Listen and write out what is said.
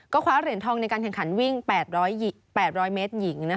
คว้าเหรียญทองในการแข่งขันวิ่ง๘๐๐เมตรหญิง